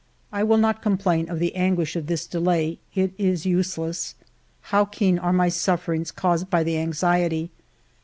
I will not complain of the anguish of this delay ; it is useless. How keen are my sufferings caused by the anxiety